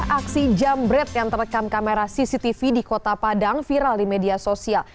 aksi jambret yang terekam kamera cctv di kota padang viral di media sosial